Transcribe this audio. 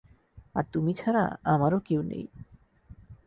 আর তুমি ছাড়া আমারো কেউ নেই।